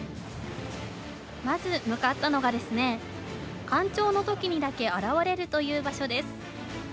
まず向かったのが干潮のときにだけ現れるという場所です。